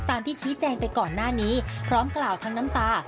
ที่ชี้แจงไปก่อนหน้านี้พร้อมกล่าวทั้งน้ำตา